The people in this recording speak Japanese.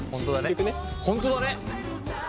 本当だね！